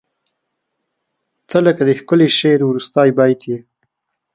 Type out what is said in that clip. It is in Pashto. • ته لکه د ښکلي شعر وروستی بیت یې.